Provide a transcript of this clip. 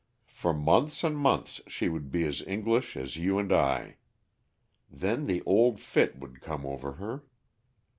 For months and months she would be as English as you and I. Then the old fit would come over her.